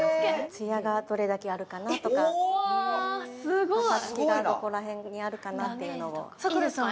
つやがどれだけあるかなとかパサつきがどこら辺にあるかなっていうのをサクラさん